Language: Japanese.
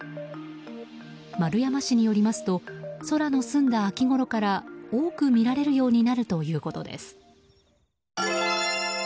丸山氏によりますと空の澄んだ秋ごろから多く見られるようになるということです。